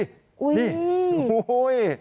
นี่โอ้โฮ